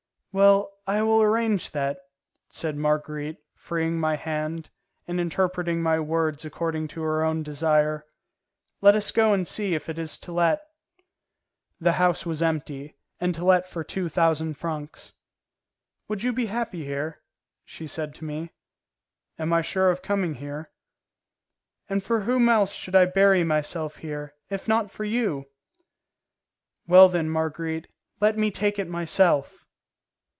"Well, I will arrange that," said Marguerite, freeing my hand, and interpreting my words according to her own desire. "Let us go and see if it is to let." The house was empty, and to let for two thousand francs. "Would you be happy here?" she said to me. "Am I sure of coming here?" "And for whom else should I bury myself here, if not for you?" "Well, then, Marguerite, let me take it myself."